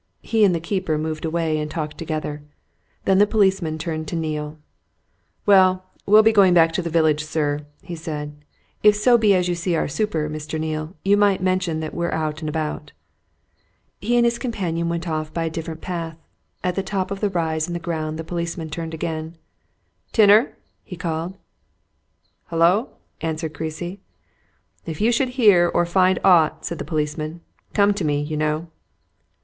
He and the keeper moved away and talked together. Then the policeman turned to Neale. "Well, we'll be getting back to the village, sir," he said. "If so be as you see our super, Mr. Neale, you might mention that we're out and about." He and his companion went off by a different path; at the top of a rise in the ground the policeman turned again. "Tinner!" he called. "Hullo?" answered Creasy. "If you should hear or find aught," said the policeman, "come to me, you know."